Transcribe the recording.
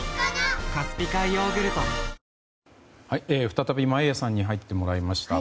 再び眞家さんに入ってもらいました。